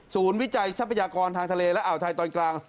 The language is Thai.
วิจัยทรัพยากรทางทะเลและอ่าวไทยตอนกลาง